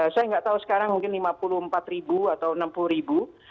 saya nggak tahu sekarang mungkin lima puluh empat ribu atau enam puluh ribu